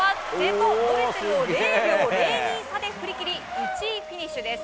ドレセルを０秒０２差で振り切り１位フィニッシュです。